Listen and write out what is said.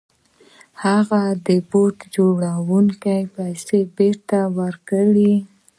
هغه د بوټ جوړوونکي پيسې بېرته ورکړې.